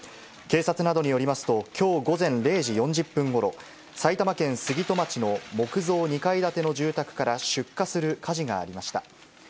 警察などによりますと、きょう午前０時４０分ごろ、埼玉県杉戸町の木造２階建ての住宅から出火する火事がありました。